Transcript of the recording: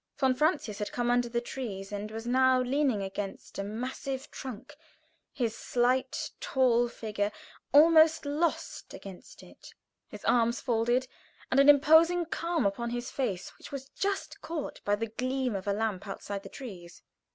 Von Francius had come under the trees and was now leaning against a massive trunk; his slight, tall figure almost lost against it; his arms folded, and an imposing calm upon his pale face, which was just caught by the gleam of a lamp outside the trees.